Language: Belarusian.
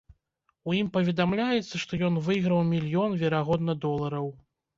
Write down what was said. У ім паведамляецца, што ён выйграў мільён, верагодна, долараў.